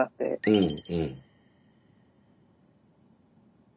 うん。